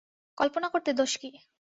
কল্পনা করতে দোষ কী।